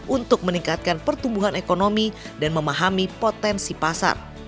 untuk meningkatkan pertumbuhan ekonomi dan memahami potensi pasar